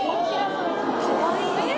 かわいい。